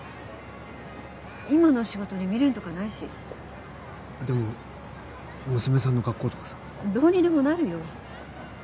今の仕事に未練とかないしでも娘さんの学校とかさどうにでもなるよ